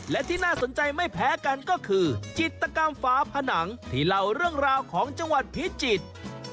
และที่น่าสนใจไม่แพ้กันก็คือจิตกรรมฝาผนังที่เล่าเรื่องราวของจังหวัดพิจิตร